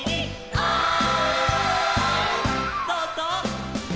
「おい！」